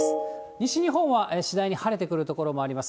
西日本は次第に晴れてくる所もあります。